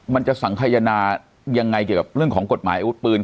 มันจะสังขยนายังไงเกี่ยวกับเรื่องของกฎหมายอาวุธปืน